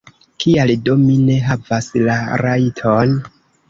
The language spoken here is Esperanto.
Kial do mi ne havas la rajton?